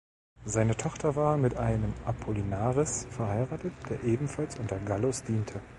Seine Tochter war mit einem Apollinaris verheiratet, der ebenfalls unter Gallus diente.